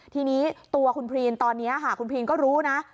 ทีนี้ตัวคุณพรีนตอนนี้ค่ะคุณพรีนก็รู้นะ